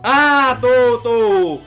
ah tuh tuh